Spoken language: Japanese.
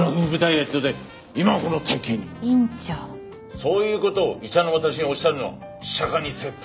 そういう事を医者の私におっしゃるのは釈迦に説法。